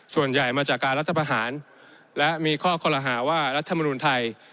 ส่วนใหญ่มาจากการรัฐประหารและมีข้อคอลหาว่ารัฐมนุนไทย